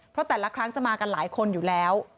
เพราะแต่ละครั้งจะมากันหลายคนอยู่แล้ว